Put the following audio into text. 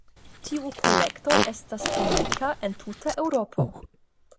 Tiu kolekto estas unika en tuta Eŭropo.